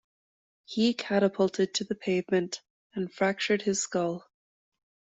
He catapulted to the pavement and fractured his skull.